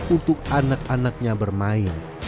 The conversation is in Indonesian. untuk anak anaknya bermain